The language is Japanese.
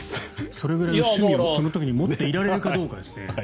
それぐらいの趣味を持っていられるかどうかですね。